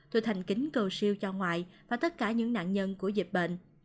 tôi thành kính cầu siêu cho ngoại và tất cả những nạn nhân của dịch bệnh